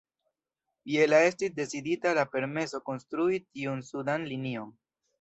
Je la estis decidita la permeso konstrui tiun sudan linion.